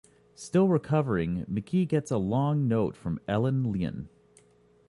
Still recovering, McKee gets a long note from Ellen Leon.